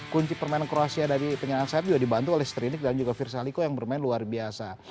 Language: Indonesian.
kunci pemain kroasia dari penyelenggaraan saab juga dibantu oleh strinic dan virsa liko yang bermain luar biasa